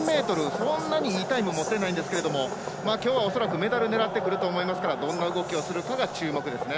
そんなにいいタイム持ってないんですけれどもきょうは恐らくメダル狙ってくると思うのでどんな動きをするかが注目ですね。